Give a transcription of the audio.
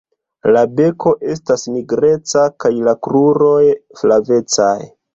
La beko estas nigreca kaj la kruroj flavecaj.